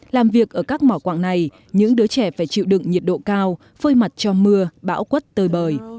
làm việc ở các mỏ quạng này những đứa trẻ phải chịu đựng nhiệt độ cao phơi mặt cho mưa bão quất tơi bời